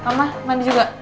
mama mandi juga